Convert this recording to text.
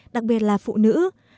đặc biệt là phụ nữ